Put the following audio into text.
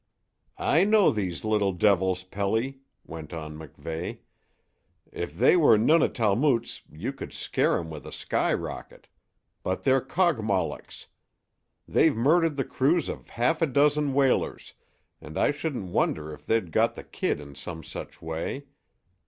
"I know these little devils, Pelly," went on MacVeigh. "If they were Nuna talmutes you could scare 'em with a sky rocket. But they're Kogmollocks. They've murdered the crews of half a dozen whalers, and I shouldn't wonder if they'd got the kid in some such way.